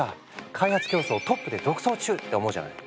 開発競争トップで独走中って思うじゃない？